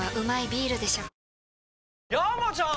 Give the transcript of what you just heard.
山ちゃん！